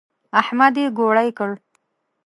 احمد يې ګوړۍ کړ.